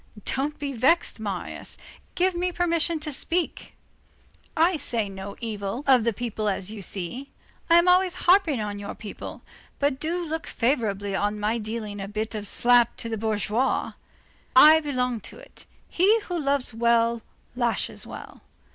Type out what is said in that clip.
Don't be vexed, Marius, give me permission to speak; I say no evil of the people as you see, I am always harping on your people, but do look favorably on my dealing a bit of a slap to the bourgeoisie. I belong to it. He who loves well lashes well.